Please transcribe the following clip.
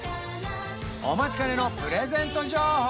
お待ちかねのプレゼント情報